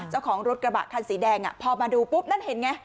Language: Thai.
เจ้าของรถกระบะคันสีแดงพอมาดูปุ๊บนั่นเห็นไง